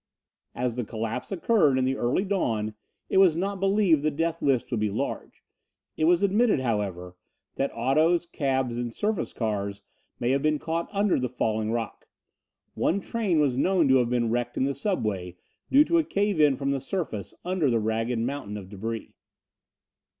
As the collapse occurred in the early dawn it was not believed the death list would be large. It was admitted, however, that autos, cabs and surface cars may have been caught under the falling rock. One train was known to have been wrecked in the subway due to a cave in from the surface under the ragged mountain of debris.